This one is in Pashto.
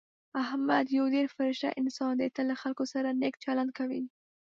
احمد یو ډېر فرشته انسان دی. تل له خلکو سره نېک چلند کوي.